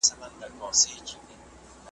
همدا به حال وي ورځ تر قیامته .